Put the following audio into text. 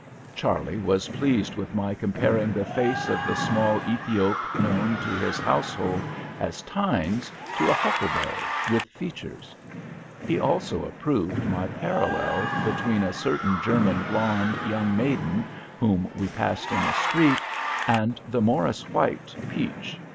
Charley was pleased with my comparing the face of the small Ethiop known to his household as "Tines" to a huckleberry with features. He also approved my parallel between a certain German blonde young maiden whom we passed in the street and the "Morris White" peach.